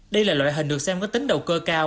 đây là loại hình được xem có tính đầu cơ cao